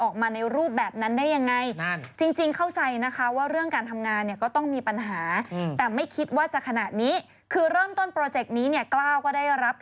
คำสั่งเมลคำสั่งเมลอยากมาสั่งบ้านฉันน่ะ